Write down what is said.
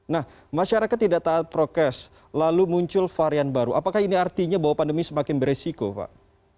nah masyarakat tidak taat prokes lalu muncul varian baru apakah ini artinya bahwa pandemi semakin beresiko pak